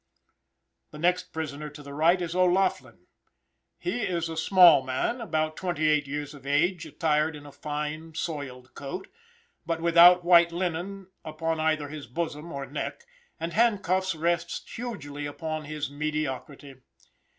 The next prisoner to the right is O'Laughlin. He is a small man, about twenty eight years of age, attired in a fine, soiled coat, but without white linen upon either his bosom or neck, and handcuffs rest hugely upon his mediocrity.